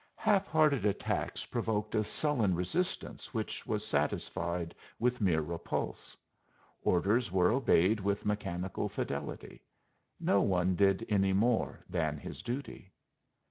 Half hearted attacks provoked a sullen resistance which was satisfied with mere repulse. Orders were obeyed with mechanical fidelity; no one did any more than his duty.